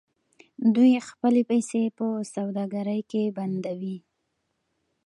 دوی خپلې پیسې په سوداګرۍ کې بندوي.